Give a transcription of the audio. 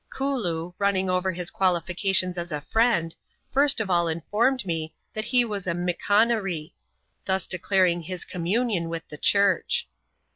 Kooloo, running over his qualifications. as a friend, first cf all informed me that he was a '^ Mickonaree," thus declaring Bis communion with the church.